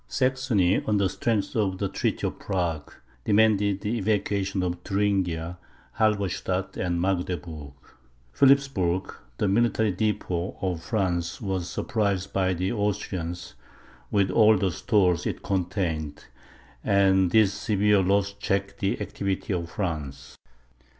Saxony, on the strength of the treaty of Prague, demanded the evacuation of Thuringia, Halberstadt, and Magdeburg. Philipsburg, the military depot of France, was surprised by the Austrians, with all the stores it contained; and this severe loss checked the activity of France.